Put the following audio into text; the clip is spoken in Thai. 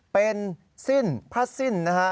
เป็นพลัดสิ้นนะฮะ